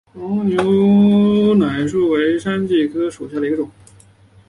黄牛奶树为山矾科山矾属下的一个种。